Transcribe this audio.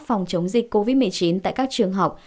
phòng chống dịch covid một mươi chín tại các trường học